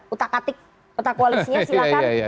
utak atik petak koalisinya silahkan